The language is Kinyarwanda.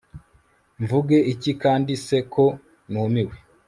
mvuge iki kandi?se ko numiwe